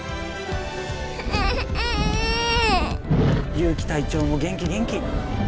ユウキ隊長も元気元気！